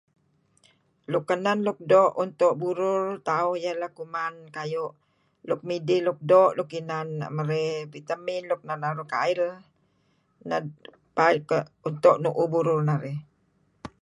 nukanan luk do untuk burul ta'uh, iyah lah kuman ka'yuh luk midih luk do luk inan um marey vitamin nuk nah naruh kail lat paad [ka..] natoh nuuh burul narih